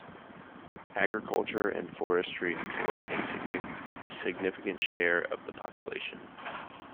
Agriculture and forestry employ a significant share of the population.